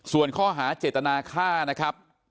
ส่วนข้อหาเจตนาฆ่านะครับ